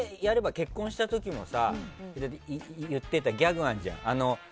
結婚した時に言ってたギャグあるじゃん。